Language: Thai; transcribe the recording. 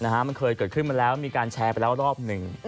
มันเคยเกิดขึ้นมาแล้วมีการแชร์ไปแล้วรอบหนึ่ง